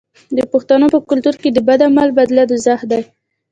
د پښتنو په کلتور کې د بد عمل بدله دوزخ دی.